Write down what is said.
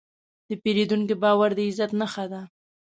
د پیرودونکي باور د عزت نښه ده.